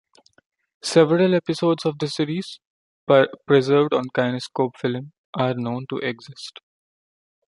Several episodes of the series, preserved on kinescope film, are known to exist.